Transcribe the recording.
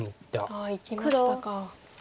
ああいきましたか。